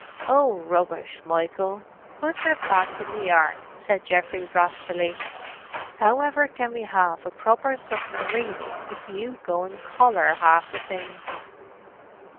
"Oh, rubbish, Michael! put her back in the Ark," said Geoffrey wrathfully. "However can we have a proper submarining if you go and collar half the things?"